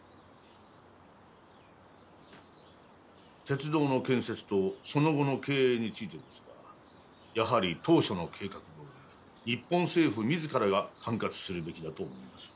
鉄道の建設とその後の経営についてですがやはり当初の計画どおり日本政府自らが管轄するべきだと思います。